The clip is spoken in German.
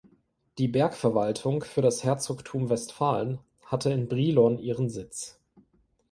Die Bergverwaltung für das Herzogtum Westfalen hatte in Brilon ihren Sitz.